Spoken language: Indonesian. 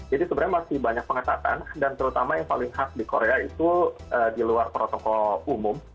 jadi sebenarnya masih banyak pengetahuan dan terutama yang paling hak di korea itu di luar protokol umum